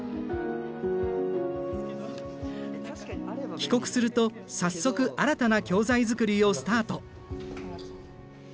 帰国すると早速新たな教材作りをスタート。